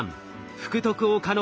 福徳岡ノ